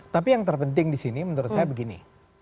tapi yang terpenting di sini menurut saya begini